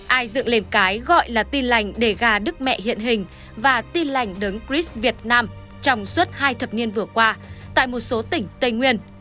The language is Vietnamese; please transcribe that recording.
ai dựng lên cái gọi là tin lành để gà đức mẹ hiện hình và tin lành đấng christ việt nam trong suốt hai thập niên vừa qua tại một số tỉnh tây nguyên